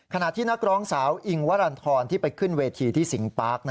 ขณะที่นักร้องสาวอิงวรรณฑรที่ไปขึ้นเวทีที่สิงปาร์ค